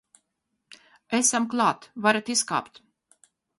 Esam klāt, varat izkāpt.